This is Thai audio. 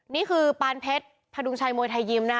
นี่คือปานเพชรพดุงชัยมวยไทยยิมนะคะ